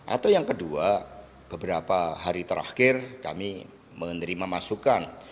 atau yang kedua beberapa hari terakhir kami menerima masukan